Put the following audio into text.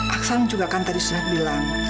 aksan juga kan tadi sudah bilang